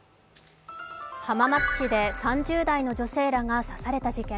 浜松市で３０代の女性らが刺された事件。